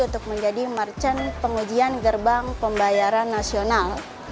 untuk menjadi merchant pengujian gerbang pembayaran nasional